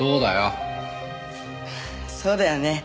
そうだよね！